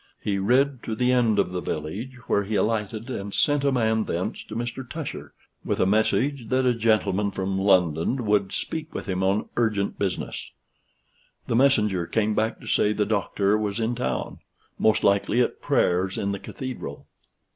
He rid to the end of the village, where he alighted and sent a man thence to Mr. Tusher, with a message that a gentleman from London would speak with him on urgent business. The messenger came back to say the Doctor was in town, most likely at prayers in the Cathedral.